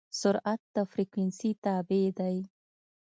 سرعت د فریکونسي تابع دی.